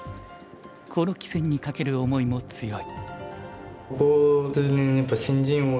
この棋戦にかける思いも強い。